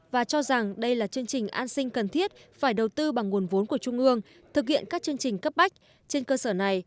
và cho rằng đây là chương trình an sinh cần thiết phải đầu tư bằng nguồn vốn của trung ương thực hiện các chương trình cấp bách trên cơ sở này